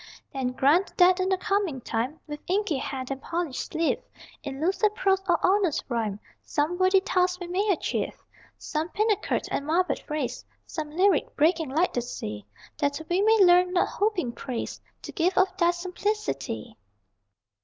Then grant that in the coming time, With inky hand and polished sleeve, In lucid prose or honest rhyme Some worthy task we may achieve Some pinnacled and marbled phrase, Some lyric, breaking like the sea, That we may learn, not hoping praise, The gift of Thy simplicity.